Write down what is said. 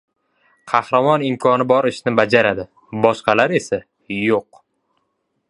Qahramon imkoni bor ishni bajaradi, boshqalar esa – yo‘q.